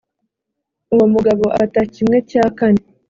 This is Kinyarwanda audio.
uwo mugabo afata kimwe cya kane